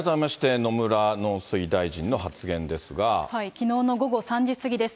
きのうの午後３時過ぎです。